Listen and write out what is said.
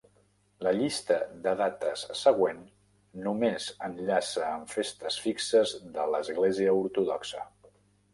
La llista de dates següent només enllaça amb festes fixes de l'Església Ortodoxa.